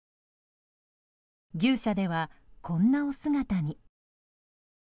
牛舎では、こんなお姿に。